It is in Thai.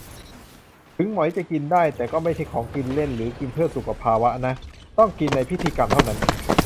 ถึงหมอยจะกินได้ แต่ก็ไม่ใช่ของกินเล่น หรือกินเพื่อสุขภาวะนะ ต้องกินในพิธีกรรมเท่านั้น